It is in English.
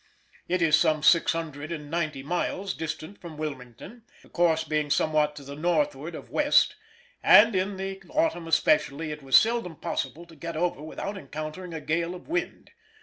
It is some 690 miles distant from Wilmington, the course being somewhat to the northward of west, and in the autumn especially it was seldom possible to get over without encountering a gale of wind.